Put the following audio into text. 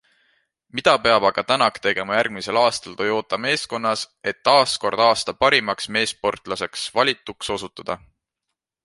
Mida peab aga Tänak tegema järgmisel aastal Toyota meeskonnas, et taaskord aasta parimaks meessportlaseks valituks osutuda?